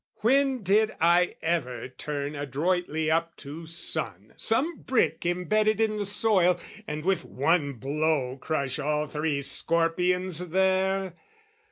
"When did I ever turn adroitly up "To sun some brick embedded in the soil, "And with one blow crush all three scorpions there?